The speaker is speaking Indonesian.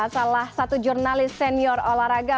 salah satu jurnalis senior olahraga